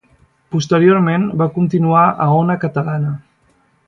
Posteriorment va continuar a Ona Catalana.